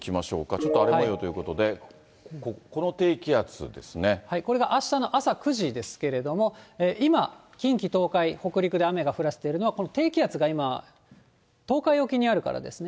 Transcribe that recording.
ちょっと荒れもようということで、これはあしたの朝９時ですけれども、今、近畿、東海、北陸で雨を降らせているのは、この低気圧が今、東海沖にあるからですね。